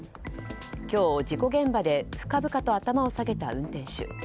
今日、事故現場で深々と頭を下げた運転手。